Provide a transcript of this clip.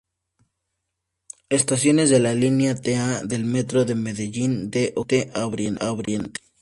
Estaciones de la Linea T-A del Metro de Medellín de occidente a oriente.